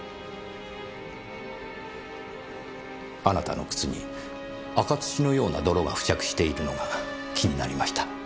あなたの靴に赤土のような泥が付着しているのが気になりました。